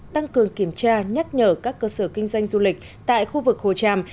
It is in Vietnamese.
tăng cường kiểm tra nhắc nhở các cơ sở kinh doanh du lịch tại khu vực hồ tràm